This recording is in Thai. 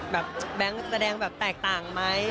แบงค์แสดงแบบแตกต่างไหม